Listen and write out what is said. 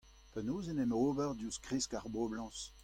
Penaos en em ober diouzh kresk ar boblañs ?